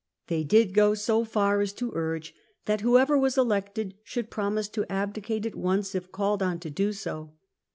They did go so far as to urge that 1394 1423 whoever was elected should promise to abdicate at once if called on to do so.